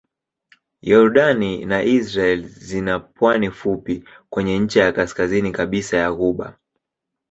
Yordani na Israel zina pwani fupi kwenye ncha ya kaskazini kabisa ya ghuba.